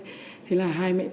thì thôi con phải cố gắng thôi